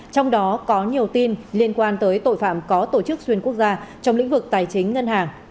trong đó có nhiều tin liên quan tới tội phạm có tổ chức xuyên quốc gia trong lĩnh vực tài chính ngân hàng